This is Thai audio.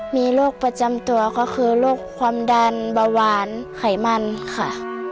มีโรคประจำตัวก็คือโรคความดันเบาหวานไขมันค่ะ